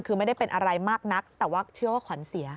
คือไม่ได้เป็นอะไรมากนักแต่ว่าเชื่อว่าขวัญเสีย